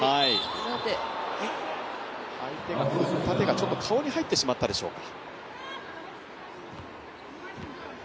相手が振った手が顔に入ってしまったでしょうか。